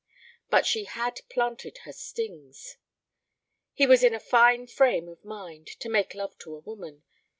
But she had planted her stings. He was in a fine frame of mind to make love to a woman.